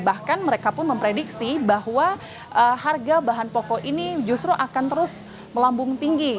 bahkan mereka pun memprediksi bahwa harga bahan pokok ini justru akan terus melambung tinggi